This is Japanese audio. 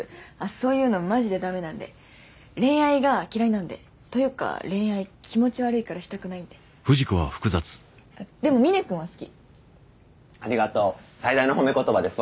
そういうのマジでダメなんで恋愛が嫌いなんでというか恋愛気持ち悪いからしたくないんででもみね君は好きありがとう最大の褒め言葉です